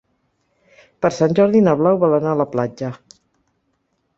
Per Sant Jordi na Blau vol anar a la platja.